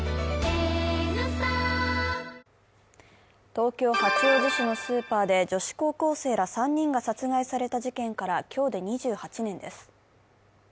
東京・八王子市のスーパーで女子高校生ら３人が殺害された事件から今日で２８年です。